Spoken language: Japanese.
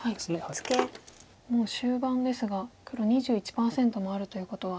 もう終盤ですが黒２１％もあるということは。